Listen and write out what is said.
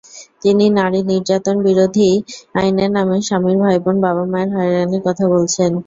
তিনি নারী নির্যাতনবিরোধী আইনের নামে স্বামীর ভাইবোন, বাবা-মায়ের হয়রানির কথা বলেছেন।